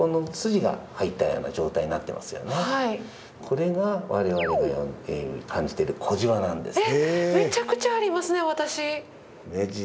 これが我々が感じる小じわなんです。